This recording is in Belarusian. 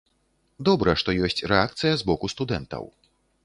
Добра, што ёсць рэакцыя з боку студэнтаў.